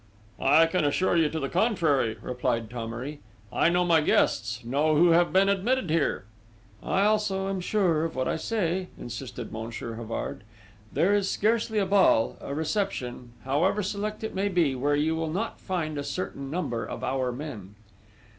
"I can assure you to the contrary!" replied Thomery "I know my guests know who have been admitted here!" "I also am sure of what I say," insisted Monsieur Havard. "There is scarcely a ball, a reception, however select it may be, where you will not find a certain number of our men."